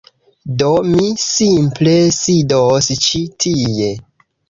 Do, mi simple sidos ĉi tie